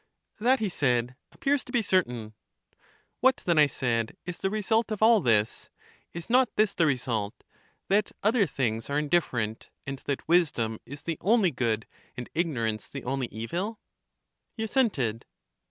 That, he said, appears to be certain. What then, I said, is the result of all this? Is not this the result — that other things are indifferent, and that wisdom is the only good, and ignorance the only evil? He assented.